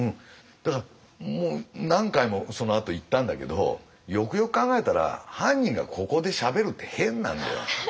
だからもう何回もそのあと行ったんだけどよくよく考えたら犯人がここでしゃべるって変なんだよ。